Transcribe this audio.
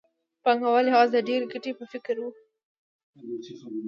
پانګوال یوازې د ډېرې ګټې په فکر کې وو